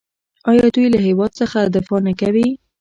آیا دوی له هیواد څخه دفاع نه کوي؟